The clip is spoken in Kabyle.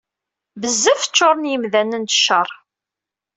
Bezzaf ččuṛen yemdanen d cceṛ